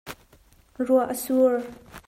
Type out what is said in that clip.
Ruah a sur.